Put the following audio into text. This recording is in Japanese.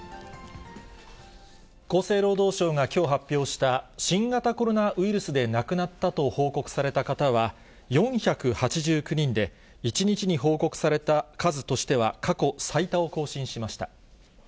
厚生労働省がきょう発表した新型コロナウイルスで亡くなったと報告された方は４８９人で、１日に報告された数としては過去最多を更新しました。